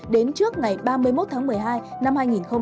đến trước ngày ba mươi một tháng một mươi hai năm hai nghìn hai mươi